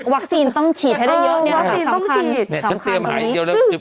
วัคซีนต้องฉีดให้ได้เยอะเนี่ยสำคัญสำคัญแบบนี้